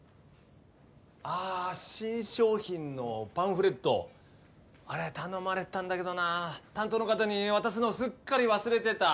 ああ新商品のパンフレットあれ頼まれてたんだけどな担当の方に渡すのをすっかり忘れてた！